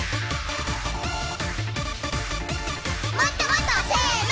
もっともっとせーの。